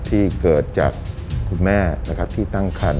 ที่เกิดจากคุณแม่นะครับที่ตั้งคัน